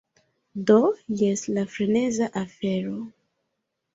Do, jes la freneza afero